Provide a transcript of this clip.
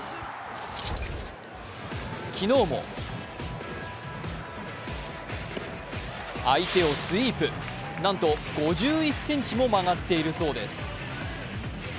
昨日も相手をスイープ、なんと５１ｃｍも曲がっているそうです。